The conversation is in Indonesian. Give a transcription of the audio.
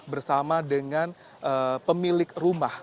bersama dengan pemilik rumah